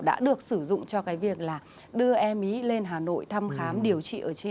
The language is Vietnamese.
đã được sử dụng cho cái việc là đưa em ý lên hà nội thăm khám điều trị ở trên